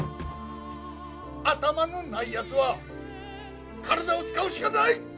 頭のないやつは体を使うしかない！